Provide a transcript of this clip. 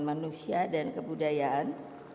manusia dan kepudayaan